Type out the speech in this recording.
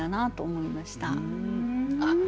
あっ